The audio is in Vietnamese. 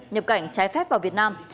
nhập cảnh trái phép vào việt nam